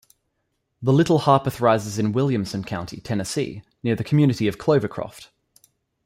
The Little Harpeth rises in Williamson County, Tennessee near the community of Clovercroft.